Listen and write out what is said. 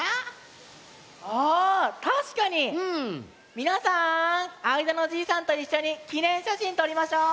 みなさんあいだのじいさんといっしょにきねんしゃしんとりましょう！